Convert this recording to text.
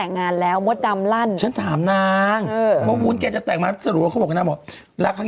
เอ้ยนะแล้วก็พลล่าก็ถามนางอะแหละว่าจะแต่งกับคนนั้นเหรอ